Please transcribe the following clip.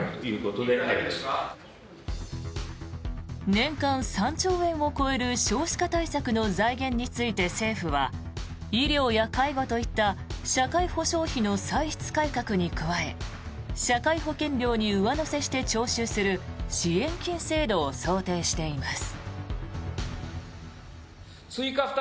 年間３兆円を超える少子化対策の財源について政府は医療や介護といった社会保障費の歳出改革に加え社会保険料に上乗せして徴収する支援金制度を想定しています。